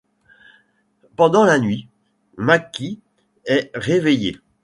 Pendant la nuit, McKee est réveillé.